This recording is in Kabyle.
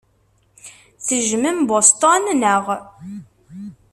Tejjmem Boston, naɣ?